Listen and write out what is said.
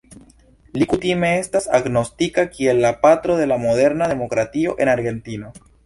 Li kutime estas agnoskita kiel "la patro de la moderna demokratio en Argentino".